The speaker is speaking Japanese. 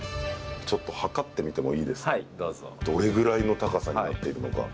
どれぐらいの高さになっているのか。